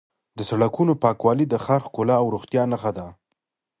د سړکونو پاکوالی د ښار ښکلا او روغتیا نښه ده.